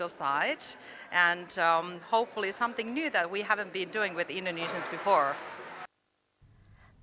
dan semoga ada hal baru yang belum kami lakukan dengan orang indonesia sebelumnya